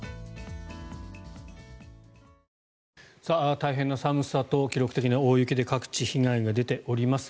大変な寒さと記録的な大雪で各地、被害が出ております。